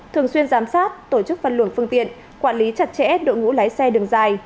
thường xuyên giám sát tổ chức phân luồng phương tiện quản lý chặt chẽ đội ngũ lái xe đường dài